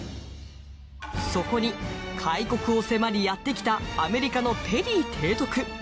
そこに開国を迫りやって来たアメリカのペリー提督。